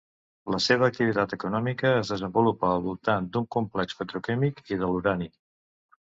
La seva activitat econòmica es desenvolupa al voltant d'un complex petroquímic i de l'urani.